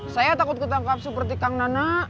saya takut ketangkap seperti kang nana